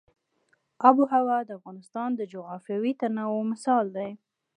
آب وهوا د افغانستان د جغرافیوي تنوع مثال دی.